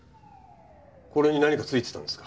これに何か付いてたんですか？